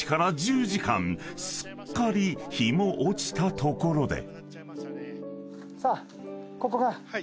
［すっかり日も落ちたところで］